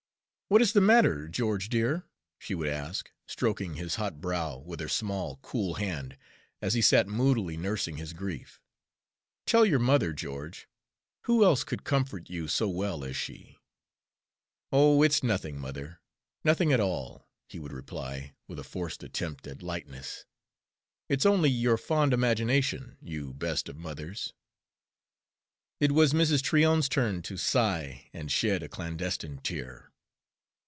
"What is the matter, George, dear?" she would ask, stroking his hot brow with her small, cool hand as he sat moodily nursing his grief. "Tell your mother, George. Who else could comfort you so well as she?" "Oh, it's nothing, mother, nothing at all," he would reply, with a forced attempt at lightness. "It's only your fond imagination, you best of mothers." It was Mrs. Tryon's turn to sigh and shed a clandestine tear.